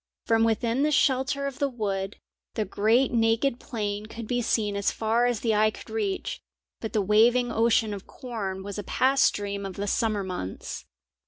From within the shelter of the wood, the great naked plain could be seen as far as the eye could reach, but the waving ocean of corn was a past dream of the summer months.